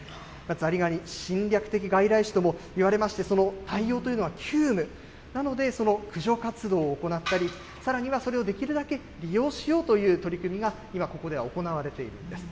ザリガニ、侵略的外来種ともいわれまして、その対応というのは急務なので、その駆除活動を行ったり、さらにはそれをできるだけ利用しようという取り組みが今、ここでは行われているんです。